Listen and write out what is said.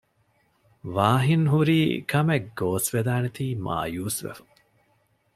ވާހިން ހުރީ ކަމެއް ގޯސްވެދާނެތީ މާޔޫސްވެފަ